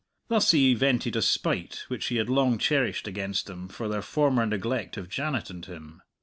Thus he vented a spite which he had long cherished against them for their former neglect of Janet and him.